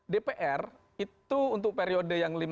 dpr itu untuk periode yang